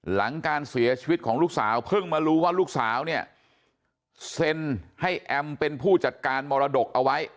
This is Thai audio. หลังการเสียชีวิตของลูกสาวเพิ่งมารู้ว่าลูกสาวเนี่ยเซ็นให้แอมเป็นผู้จัดการมรดกเอาไว้